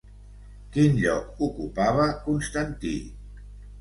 Quin lloc ocupava Constantí?